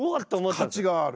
価値がある。